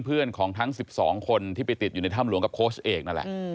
เพื่อนของทั้ง๑๒คนที่ไปติดอยู่ในถ้ำหลวงกับโค้ชเอกนั่นแหละ